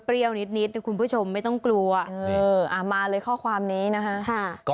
เปรี้ยวนิดนิดคุณผู้ชมไม่ต้องกลัวเอออ่ามาเลยข้อความนี้นะคะค่ะ